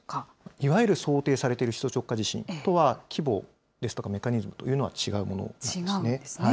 いわゆる想定されている首都直下地震とは規模ですとかメカニズムというのは違うものなんですね。